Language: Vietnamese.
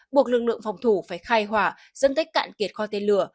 buộc lực lượng phòng thủ phải khai hỏa dân tích cạn kiệt kho tên lửa